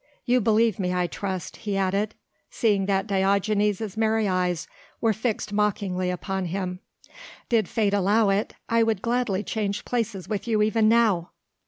You believe me I trust," he added, seeing that Diogenes' merry eyes were fixed mockingly upon him, "did fate allow it I would gladly change places with you even now."